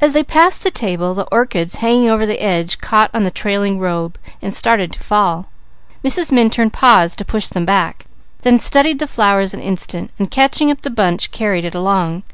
As they passed the table the orchids hanging over the edge caught on the trailing robe and started to fall. Mrs. Minturn paused to push them back, then studied the flowers an instant, and catching up the bunch carried it along.